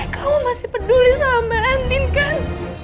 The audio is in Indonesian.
kamu masih peduli sama anin kan